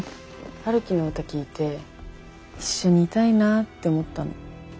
陽樹の歌聴いて一緒にいたいなって思ったの。